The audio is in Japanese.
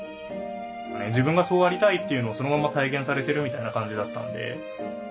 自分がそうありたいっていうのをそのまま体現されてるみたいな感じだったんで。